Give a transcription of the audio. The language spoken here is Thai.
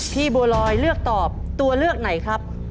บัวลอยเลือกตอบตัวเลือกไหนครับ